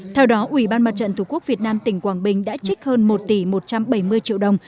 theo đó ủy ban mặt trận tổ quốc việt nam tỉnh quảng bình đã trích hơn một tỷ một trăm bảy mươi triệu đồng